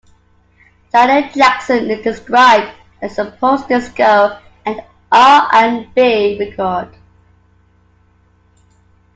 "Janet Jackson" is described as a post-disco and R and B record.